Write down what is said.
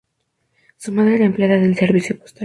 Su madre era empleada del servicio postal.